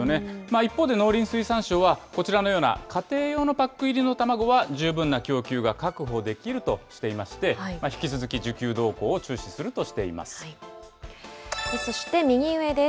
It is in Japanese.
一方で農林水産省は、こちらのような家庭用のパック入りの卵は十分な供給が確保できるとしていまして、引き続き需給動向を注視するとしています。